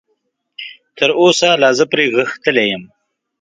تراوسه لا زه پرې غښتلی یم.